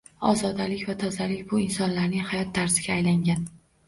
Ozodalik va tozalik bu insonlarning hayot tarziga aylangan